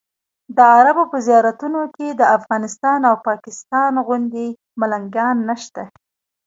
د عربو په زیارتونو کې د افغانستان او پاکستان غوندې ملنګان نشته.